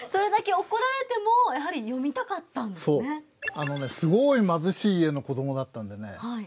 あのねすごい貧しい家の子どもだったんでね